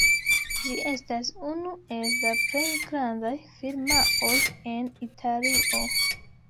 Ĝi estas unu el la plej grandaj firmaoj en Italio.